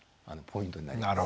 ポイントになります。